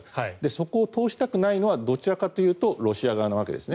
そこを通したくないのはどちらかというとロシア側のわけですね。